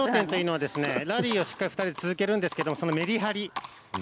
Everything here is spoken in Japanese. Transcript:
ラリーをしっかり２人で続けるんですけれどもそのメリハリ。